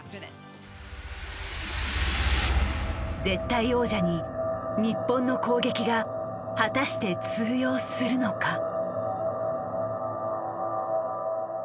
絶対王者に日本の攻撃が果たして通用するのか。